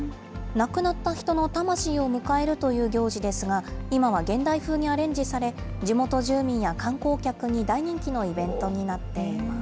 亡くなった人の魂を迎えるという行事ですが、今は現代風にアレンジされ、地元住民や観光客に大人気のイベントになっています。